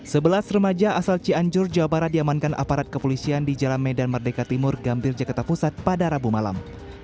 sebelas remaja asal cianjur jawa barat diamankan aparat kepolisian di jalan medan merdeka timur gambir jakarta pusat pada rabu malam